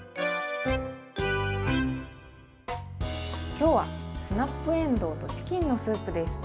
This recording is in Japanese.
今日はスナップえんどうとチキンのスープです。